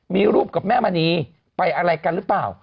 มีรูปกับแม่มณีไปอะไรกันหรือเปล่า